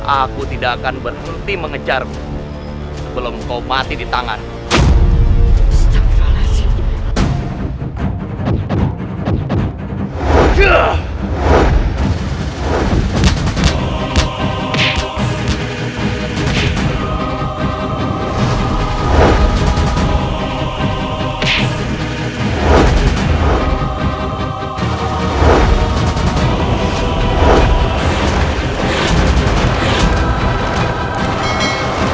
akhirnya aku bisa membawamu kepada gusti prabu surawi sese